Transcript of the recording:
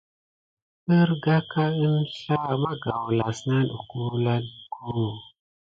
Ərga aka əŋslah magaoula las na don wula duko.